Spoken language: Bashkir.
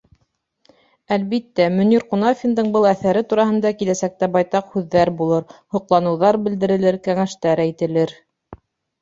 Әлбиттә, Мөнир Ҡунафиндың был әҫәре тураһында киләсәктә байтаҡ һүҙҙәр булыр, һоҡланыуҙар белдерелер, кәңәштәр әйтелер.